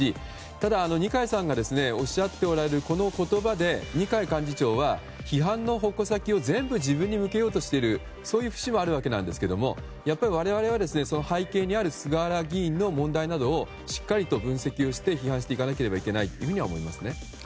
ただ、二階さんがおっしゃっておられるこの言葉で二階幹事長は批判の矛先を全部自分に向けようとしているそういう節もあるわけですがやっぱり我々は背景にある菅原議員の問題などをしっかりと分析して批判していかなければいけないと思います。